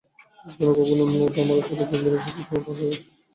তোর জন্যে কখানা নোট আমার আঁচলে বেঁধে রেখেছি, তোর এলাদির আশীর্বাদ।